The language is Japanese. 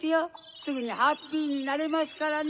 すぐにハッピーになれますからね！